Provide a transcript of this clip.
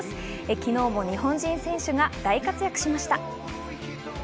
昨日も日本人選手が大活躍しました。